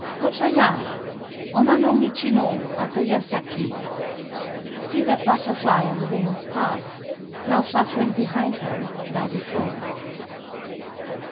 _] Chōchō ya! Onna no michi no Ato ya saki! [_See that butterfly on the woman's path,—now fluttering behind her, now before!